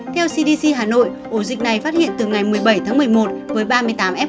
theo cdc hà nội ổ dịch này phát hiện từ ngày một mươi bảy tháng một mươi một với ba mươi tám f một